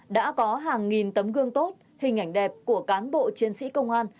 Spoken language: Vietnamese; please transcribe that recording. đã có hàng nghìn tấm gương tốt hình ảnh đẹp của cán bộ chiến sĩ công an